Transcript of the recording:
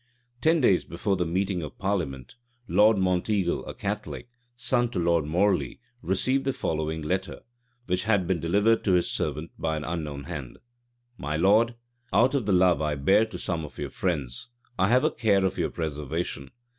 Ten days before the meeting of parliament, Lord Monteagle, a Catholic, son to Lord Morley, received the following letter, which had been delivered to his servant by an unknown hand: "My Lord, Out of the love I bear to some of your friends, I have a care of your preservation.